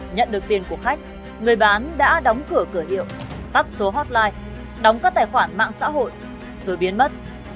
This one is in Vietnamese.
nhận được tiền của khách người bán đã đóng cửa cửa hiệu tắt số hotline đóng các tài khoản mạng xã hội rồi biến mất